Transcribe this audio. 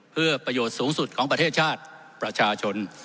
เพื่อประโยชน์สูงสุดของประเทศชาติประชาชน